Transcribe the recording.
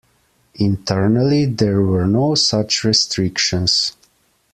Internally, there were no such restrictions.